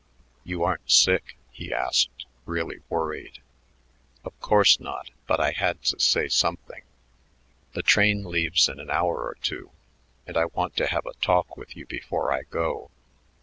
"You aren't sick?" he asked, really worried. "Of course not, but I had to say something. The train leaves in an hour or two, and I want to have a talk with you before I go."